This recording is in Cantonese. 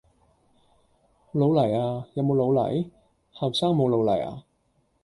老泥呀，有冇老泥？後生冇老泥啊？